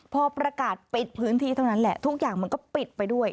พอประกาศปิดพื้นที่เท่านั้นแหละทุกอย่างมันก็ปิดไปด้วย